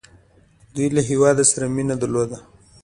دوی له هیواد سره مینه درلوده.